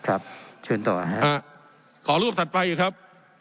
ครับเชิญต่อครับขอรูปถัดไปครับ